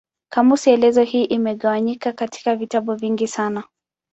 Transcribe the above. Kamusi elezo hii imegawanyika katika vitabu vingi sana.